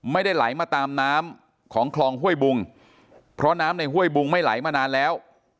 ไม่ได้ไหลมาตามน้ำของคลองห้วยบุงเพราะน้ำในห้วยบุงไม่ไหลมานานแล้ว